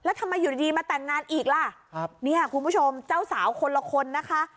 แล้วทำไมอยู่ดีมาแต่งงานอีกล่ะครับเนี่ยคุณผู้ชมเจ้าสาวคนละคนนะคะ